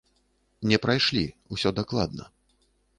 Не прайшлі, усё дакладна.